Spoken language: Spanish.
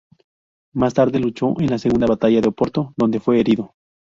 Más tarde, luchó en la segunda batalla de Oporto, donde fue herido.